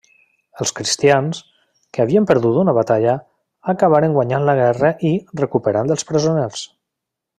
Els cristians, que havien perdut una batalla, acabaren guanyant la guerra i recuperant els presoners.